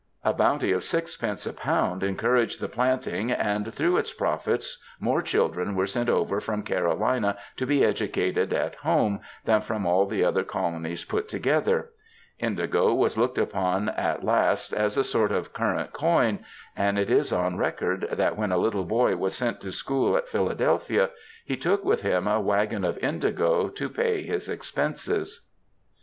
*" A bounty of 6d. a lb. encouraged the planting, and through its profits more children were sent over from Carolina to be educated at home, than from all the other colonies put together. Indigo was looked upon at last as a sort of current coin, and it is on record that when a little boy was sent to school at Philadelphia he took with him a waggon of indigo to pay his expenses.